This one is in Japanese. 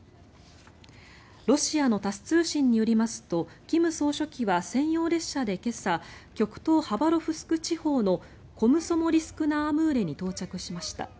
ロシアのタス通信によりますと金総書記は専用列車で今朝極東ハバロフスク地方のコムソモリスク・ナ・アムーレに到着しました。